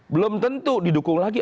belum tentu didukung lagi